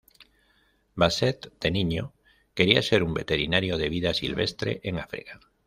Bassett de niño quería ser un veterinario de vida silvestre en África.